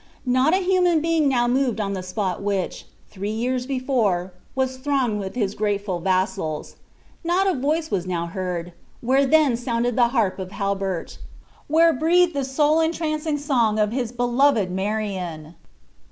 Not a human being now moved on the spot which, three years before, was thronged with his grateful vassals. Not a voice was now heard, where then sounded the harp of Halbert where breathed the soul entrancing song of his beloved Marion!